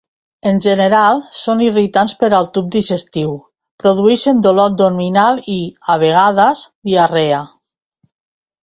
En general, són irritants per al tub digestiu; produeixen dolor abdominal i, a vegades, diarrea.